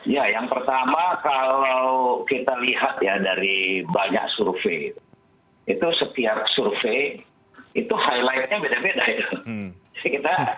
ya yang pertama kalau kita lihat ya dari banyak survei itu setiap survei itu highlightnya beda beda ya